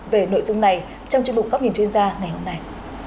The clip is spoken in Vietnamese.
về nội dung này trong chương trình góp nhìn chuyên gia ngày hôm nay